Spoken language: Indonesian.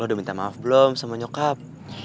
eh lo udah minta maaf belum sama nyokap